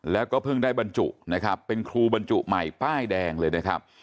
แล้วก็เพิ่งได้บรรจุนะครับเป็นครูบรรจุใหม่ป้ายแดงเลยนะครับ